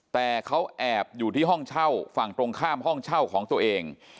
แต่เขาแอบอยู่ที่ห้องเช่าฝั่งตรงข้ามห้องเช่าของตัวเอง